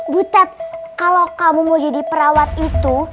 butet kalau kamu mau jadi perawat itu